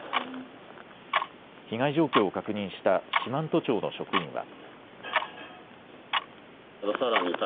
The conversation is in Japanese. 被害状況を確認した四万十町の職員は。